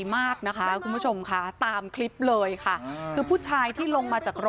เม้าใช่ไหม